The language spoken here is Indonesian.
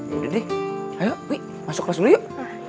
yaudah deh ayo wi masuk kelas dulu yuk